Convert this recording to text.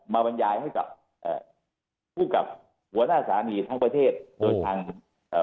บรรยายให้กับเอ่อผู้กับหัวหน้าสถานีทั้งประเทศโดยทางเอ่อ